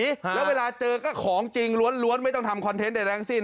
แล้วเวลาเจอก็ของจริงล้วนล้วนไม่ต้องทำคอนเทนต์ใดแรงสิ้น